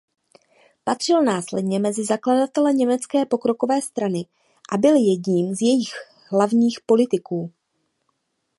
Patřil následně mezi zakladatele Německé pokrokové strany a byl jedním z jejích hlavních politiků.